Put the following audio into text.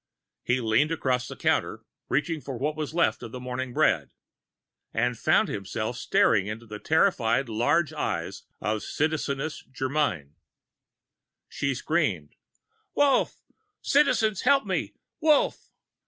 He leaned across the counter, reaching for what was left of the Morning Loaf And found himself staring into the terrified large eyes of Citizeness Germyn. She screamed: "Wolf! Citizens, help me! Wolf!"